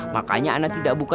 makanya ana tidak buka